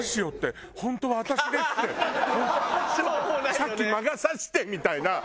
さっき魔が差してみたいな。